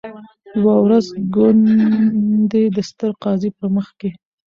یوه ورځ ګوندي د ستر قاضي په مخ کي